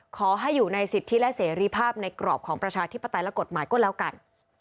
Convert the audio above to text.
ขอให้อยู่ในสิทธิและเสรีภาพในกรอบของประชาธิปไตยและกฎหมายก็แล้วกัน